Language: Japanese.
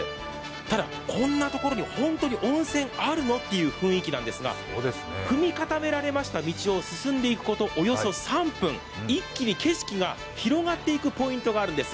ただ、こんなところにホントに温泉あるの？という雰囲気なんですが踏み固められました道を進んでいくことおよそ３分、一気に景色が広がっていくポイントがあるんです。